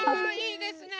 いいですね！